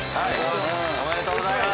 おめでとうございます。